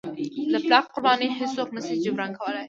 د پلار قرباني هیڅوک نه شي جبران کولی.